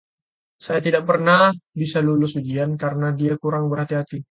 Dia tidak pernah bisa lulus ujian, karena dia kurang berhati-hati.